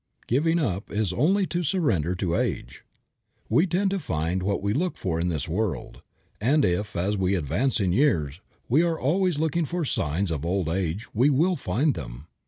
Giving up is only to surrender to age. We tend to find what we look for in this world, and if, as we advance in years, we are always looking for signs of old age we will find them.